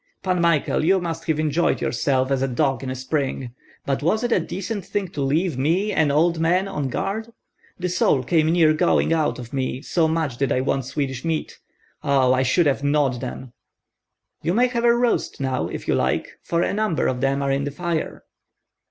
"Pan Michael, you must have enjoyed yourself as a dog in a spring. But was it a decent thing to leave me, an old man, on guard? The soul came near going out of me, so much did I want Swedish meat. Oh, I should have gnawed them!" "You may have a roast now if you like, for a number of them are in the fire."